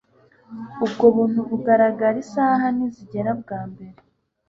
Ubwo buntu bugaragara Isaha nizeraga bwa mbere